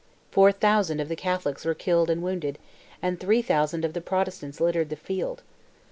Four thousand of the Catholics were killed and wounded, and three thousand of the Protestants littered the field.